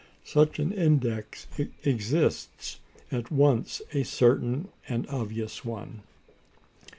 Such an index exists, at once a certain and an obvious one.